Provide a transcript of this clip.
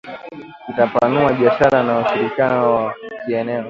Itapanua biashara na ushirikiano wa kieneo